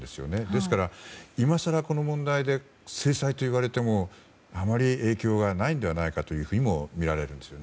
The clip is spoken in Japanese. ですから、今更この問題で制裁といわれてもあまり影響がないのではないかとみられるんです。